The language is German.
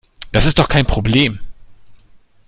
Das ist doch kein Problem.